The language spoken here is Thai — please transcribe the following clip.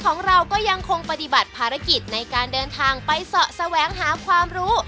ของเราก็ยังคงปฏิบัติภารกิจในการเดินทางไปเสาะแสวงหาความรู้